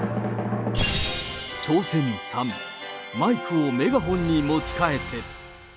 挑戦３、マイクをメガホンに持ち替えて。